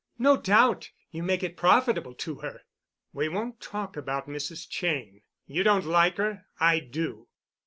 "No doubt you make it profitable to her." "We won't talk about Mrs. Cheyne. You don't like her. I do.